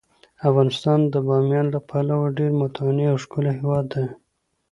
افغانستان د بامیان له پلوه یو ډیر متنوع او ښکلی هیواد دی.